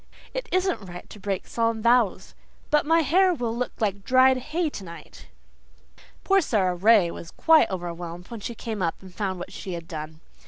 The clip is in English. It isn't right to break solemn vows. But my hair will look like dried hay tonight." Poor Sara Ray was quite overwhelmed when she came up and found what she had done.